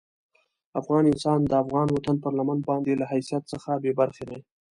افغان انسان د افغان وطن پر لمن باندې له حیثیت څخه بې برخې دي.